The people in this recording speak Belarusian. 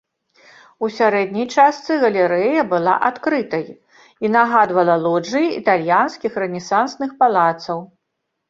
У сярэдняй частцы галерэя была адкрытай і нагадвала лоджыі італьянскіх рэнесансных палацаў.